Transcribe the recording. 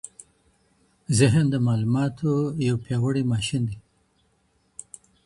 ذهن د معلوماتو یو پیاوړی ماشین دی.